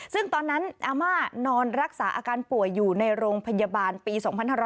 ซึ่งตอนนั้นอาม่านอนรักษาอาการป่วยอยู่ในโรงพยาบาลปี๒๕๖๐